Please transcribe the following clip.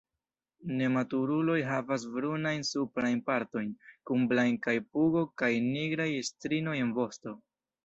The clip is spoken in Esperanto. Nematuruloj havas brunajn suprajn partojn, kun blanka pugo kaj nigraj strioj en vosto.